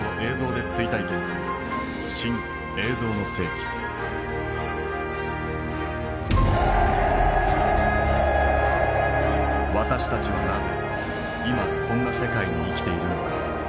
私たちはなぜ今こんな世界に生きているのか。